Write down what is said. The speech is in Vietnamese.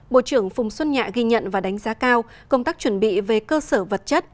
bộ trưởng phùng xuân nhạ ghi nhận và đánh giá cao công tác chuẩn bị về cơ sở vật chất